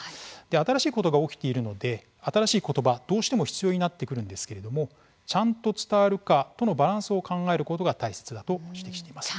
新しいことが起きているので新しい言葉、どうしても必要になってくるんですけれども「ちゃんと伝わるか」とのバランスを考えることが大切だと指摘しています。